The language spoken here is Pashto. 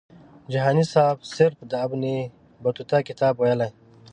جهاني سیب صرف د ابن بطوطه کتاب ویلی.